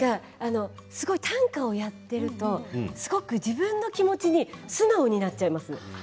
短歌をやっているとすごく自分の気持ちに素直になっちゃいます。